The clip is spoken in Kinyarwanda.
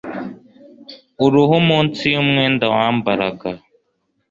Uruhu munsi yumwenda wambaraga